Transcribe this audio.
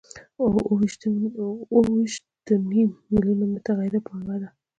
او اوه ویشت نیم میلیونه یې متغیره پانګه ده